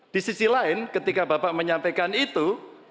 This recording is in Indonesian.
di sisi lain ketika bapak menyampaikan itu